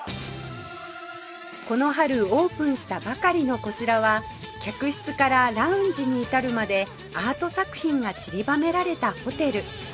この春オープンしたばかりのこちらは客室からラウンジに至るまでアート作品がちりばめられたホテル